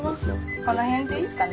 この辺でいいかな？